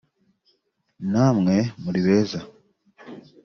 namwe muri beza